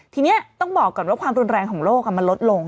ทีนี้ต้องบอกก่อนว่าความรุนแรงของโลกมันลดลง